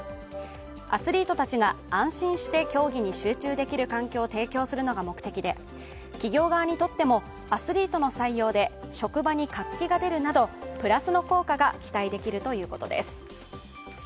アスリートたちが安心して競技に集中できる環境を提供するのが目的で企業側にとってもアスリートの採用で職場に活気が出るなどプラスの効果が期待できるということです。